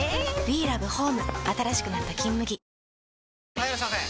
・はいいらっしゃいませ！